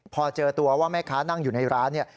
พอเจอตัวว่าแม่ค้านั่งอยู่ในร้านเนี่ย